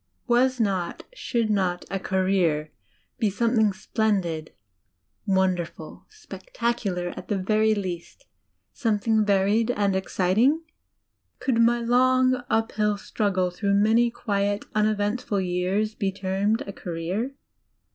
Was not should not a "career" be something splendid, wonderful, spectacular at the very least, something varied and exciting? Could my long, uphill struggle, through many quiet, uneventful years, be termed a "career"?